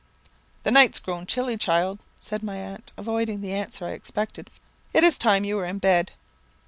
"'The night's grown chilly, child,' said my aunt, avoiding the answer I expected; 'it is time you were in bed.'